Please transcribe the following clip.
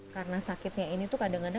karena sakitnya ini tuh kadang kadang